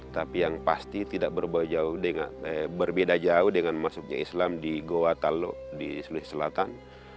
tapi yang pasti tidak berbeda jauh dengan masuknya islam di goa tallo di sulawesi selatan seribu enam ratus tiga